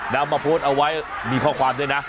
แล้วมาโพสต์เอาไว้มีข้อความด้วยนะ